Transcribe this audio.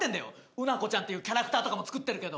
うなこちゃんっていうキャラクターとかも作ってるけど。